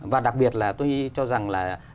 và đặc biệt là tôi cho rằng là